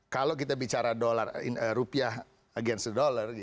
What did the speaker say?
kalau kita bicara rupiah against of dollar